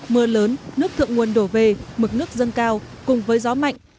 mưa lớn nước thượng nguồn đổ về mực nước dâng cao cùng với gió mạnh